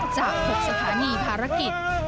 จาก๖สถานีภารกิจ